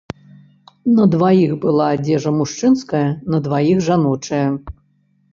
На дваіх была адзежа мужчынская, на дваіх жаночая.